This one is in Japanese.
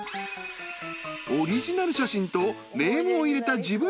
［オリジナル写真とネームを入れた自分用パーカ］